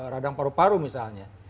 radang paru paru misalnya